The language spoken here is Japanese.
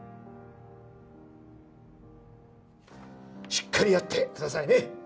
しっかりやってくださいね